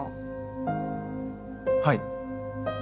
はい。